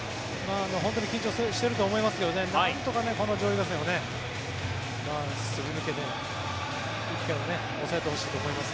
本当に緊張していると思いますけどなんとかこの上位打線をすり抜けて抑えてほしいと思います。